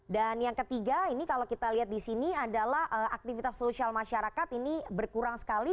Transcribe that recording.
dan yang ketiga ini kalau kita lihat di sini adalah aktivitas sosial masyarakat ini berkurang sekali